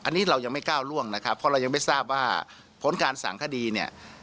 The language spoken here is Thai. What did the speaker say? อันนี้เรายังไม่ก้าวล่วงนะครับเพราะเรายังไม่ทราบว่าผลการสั่งคดีเนี่ย